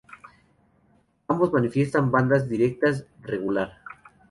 Ambos manifiestan bandas discretas, regular.